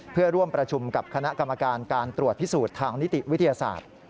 เพื่อร่วมประชุมกับคณะกรรมการการตรวจพิสูจน์ทางนิติวิทยาศาสตร์